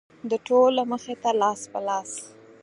د ټولو مخې ته لاس په لاس.